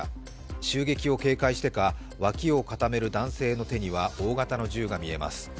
襲撃を警戒してか、脇を固める男性の手には大型の銃が見えます。